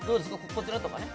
こちらとかね